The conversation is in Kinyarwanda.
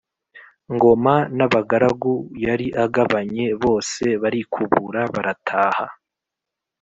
Ngoma n'abagaragu yari agabanye, bose barikubura barataha